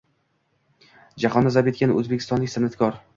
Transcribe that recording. Jahonni zabt etgan o‘zbekistonlik san’atkor